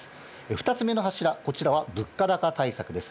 ２つ目の柱、こちらは物価高対策です。